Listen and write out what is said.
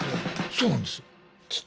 そうなんです。